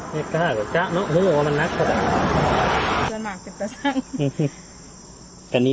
เฮดก้าลก็เจ๊ะน้องเฮ้มันนักขอแบบนี้